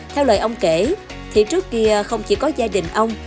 theo lời ông kể thì trước kia không chỉ có gia đình ông